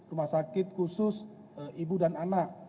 rumah sakit khusus ibu dan anak